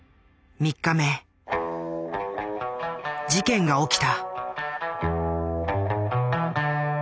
事件が起きた。